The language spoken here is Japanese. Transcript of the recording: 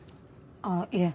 ああいえ。